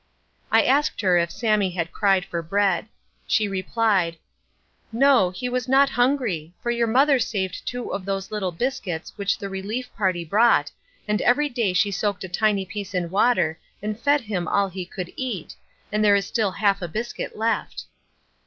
I asked her if Sammie had cried for bread. She replied, "No, he was not hungry, for your mother saved two of those little biscuits which the relief party brought, and every day she soaked a tiny piece in water and fed him all he would eat, and there is still half a biscuit left."